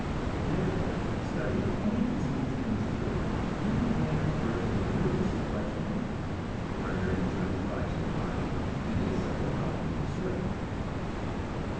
Therefore, studying any disease and its cure, you have first the emergency question, are there any germs lodged in the body, and if so, how can you destroy them?